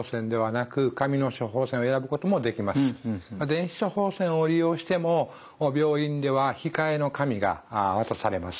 電子処方箋を利用しても病院では控えの紙が渡されます。